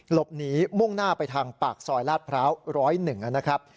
หลบหนีมุ่งหน้าไปทางปากซอยลาดพร้าว๑๐๑นะครับ